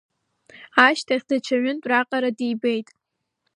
Ашьҭахь даҽа ҩынтә раҟара дибеит…